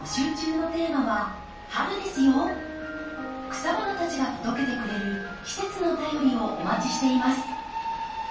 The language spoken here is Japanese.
草花たちが届けてくれる季節の便りをお待ちしています。